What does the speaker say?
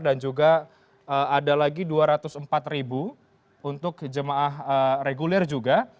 dan juga ada lagi rp dua ratus empat untuk jemaah reguler juga